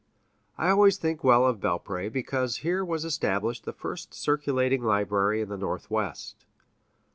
I always think well of Belpré, because here was established the first circulating library in the Northwest.